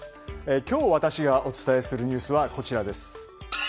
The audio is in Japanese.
今日、私がお伝えするニュースはこちらです。